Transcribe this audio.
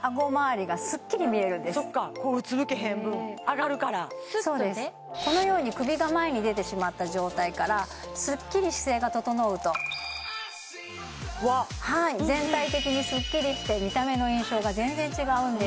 そっかうつむけへん分上がるからスッとねこのように首が前に出てしまった状態からスッキリ姿勢が整うとわっ全体的にスッキリして見た目の印象が全然違うんです